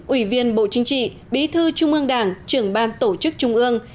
ủy viên bộ chính trị bí thư trung ương đảng trưởng ban tổ chức trung ương